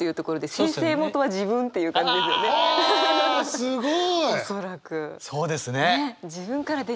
すごい。